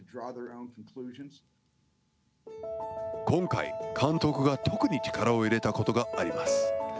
今回、監督が特に力を入れたことがあります。